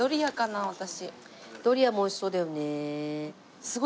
ドリアも美味しそうだよね。